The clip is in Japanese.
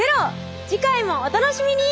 次回もお楽しみに！